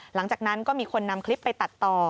หลังจากนั้นก็มีคนนำคลิปไปตัดต่อ